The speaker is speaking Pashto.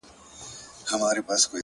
زه به د درد يوه بې درده فلسفه بيان کړم ـ